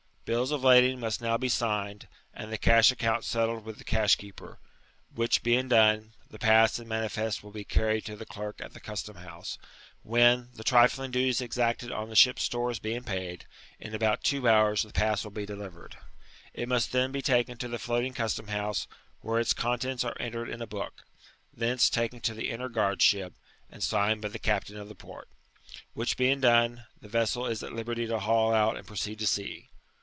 Bills of lading must now be signed, and the cash account settled with the cash keeper; which being done, the pass and manifest wHl be carried to the clerk at the custom house, when, the trifling duties exacted on the ship's stores being paid, in about two hours the pass will be delivered*^ It must then be taken to the floating custom house, where its contents are entered in a book; thence taken to the inner guard ship, and signed by the captain of the port; which being done, the vessel is at liberty to haul out and proceed to sea.